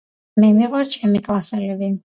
მე მიყვრს ჩემი კლასელები